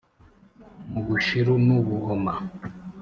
mu bushiru n’u buhoma